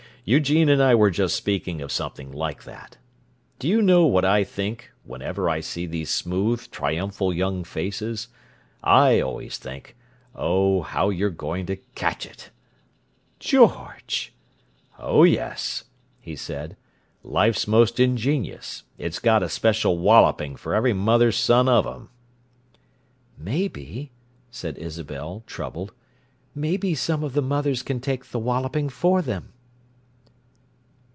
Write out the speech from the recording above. Eugene and I were just speaking of something like that. Do you know what I think whenever I see these smooth, triumphal young faces? I always think: 'Oh, how you're going to catch it'!" "George!" "Oh, yes," he said. "Life's most ingenious: it's got a special walloping for every mother's son of 'em!" "Maybe," said Isabel, troubled—"maybe some of the mothers can take the walloping for them."